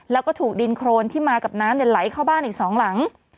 แล้วก็ถูกดินโครนที่มากับน้ำไหลเข้าบ้านอีก๒หลัง